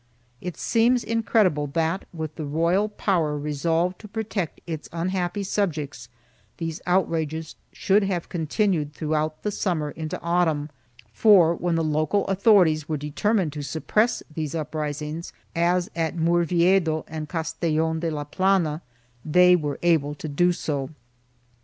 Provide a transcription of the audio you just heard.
It seems incredible that, with the royal power resolved to protect its unhappy subjects, these outrages should have continued through out the summer into autumn for, when the local authorities were determined to suppress these uprisings, as at Murviedro and Cas tellon de la Plana, they were able to do so.